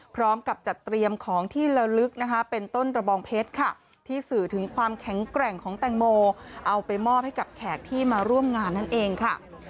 พร้อมกับจัดเตรียมของที่ละลึกเป็นต้นตระบองเพชรค่ะ